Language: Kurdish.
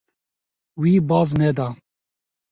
Wî baz neda.